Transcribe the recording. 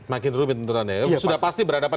makin rumit tentara sudah pasti berhadapan